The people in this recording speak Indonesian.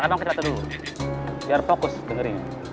abang kita tunggu dulu biar fokus dengerin